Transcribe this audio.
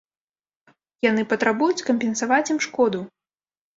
Яны патрабуюць кампенсаваць ім шкоду.